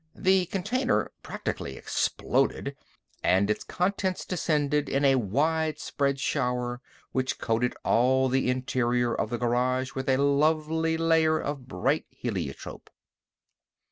The container practically exploded and its contents descended in a widespread shower which coated all the interior of the garage with a lovely layer of bright heliotrope.